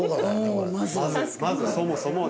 まずまずそもそも。